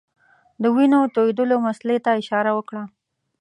د وینو تویېدلو مسلې ته اشاره وکړه.